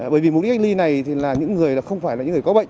bởi vì mục đích cách ly này thì là những người không phải là những người có bệnh